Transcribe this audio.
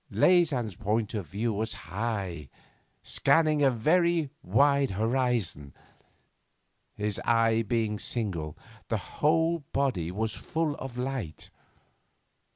Leysin's point of view was high, scanning a very wide horizon. His eye being single, the whole body was full of light.